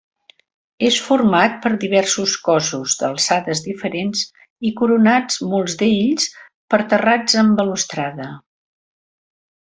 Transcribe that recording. És format per diversos cossos d'alçades diferents i coronats, molts d'ells, per terrats amb balustrada.